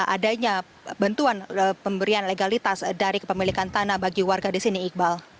adanya bantuan pemberian legalitas dari kepemilikan tanah bagi warga di sini iqbal